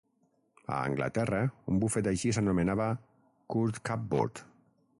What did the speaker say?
A Anglaterra, un bufet així s'anomenava "court cupboard".